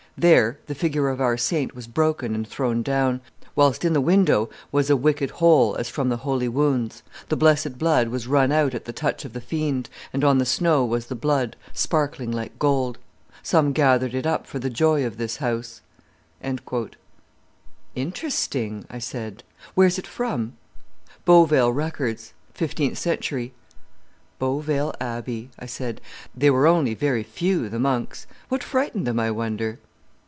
There the figure of our Saint was broken and thrown down, whilst in the window was a wicked hole as from the Holy Wounds the Blessed Blood was run out at the touch of the Fiend, and on the snow was the Blood, sparkling like gold. Some gathered it up for the joy of this House...." "Interesting," I said. "Where's it from?" "Beauvale records—fifteenth century." "Beauvale Abbey," I said; "they were only very few, the monks. What frightened them, I wonder."